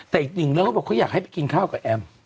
แต่อีกหนึ่งเรื่องเขาบอกเขาอยากให้ไปกินข้าวกับแอม